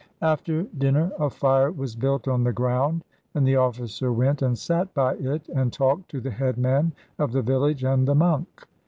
After dinner a fire was built on the ground, and the officer went and sat by it and talked to the headman of the village and the monk.